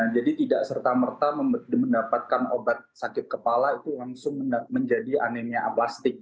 jadi tidak serta merta mendapatkan obat sakit kepala itu langsung menjadi anemia aplastik